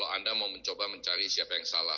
dan kalau anda mau mencoba mencari siapa yang salah